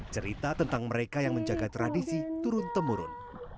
cerita tentang mereka yang menjaga tradisi turun temurun